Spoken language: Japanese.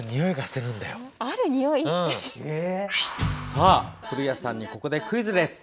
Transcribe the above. さあ、古谷さんにここでクイズです。